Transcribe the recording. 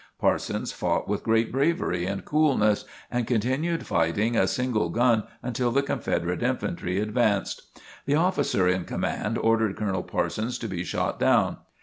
Parsons fought with great bravery and coolness and continued fighting a single gun until the Confederate infantry advanced. The officer in command ordered Colonel Parsons to be shot down.